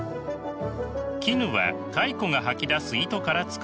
絹は蚕が吐き出す糸から作られます。